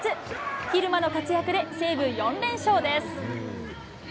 蛭間の活躍で西武、４連勝です。